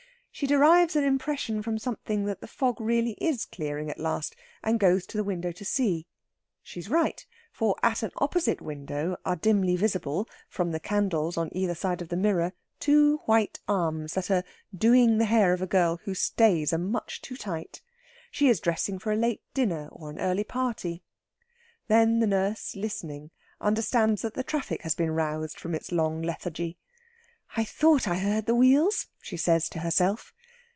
She derives an impression from something that the fog really is clearing at last, and goes to the window to see. She is right, for at a window opposite are dimly visible, from the candles on either side of the mirror, two white arms that are "doing" the hair of a girl whose stays are much too tight. She is dressing for late dinner or an early party. Then the nurse, listening, understands that the traffic has been roused from its long lethargy. "I thought I heard the wheels," she says to herself.